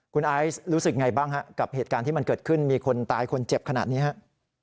คุณไอซ์รู้สึกไงบ้างฮะกับเหตุการณ์ที่มันเกิดขึ้นมีคนตายคนเจ็บขนาดนี้ครับ